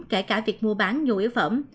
kể cả việc mua bán nhu yếu phẩm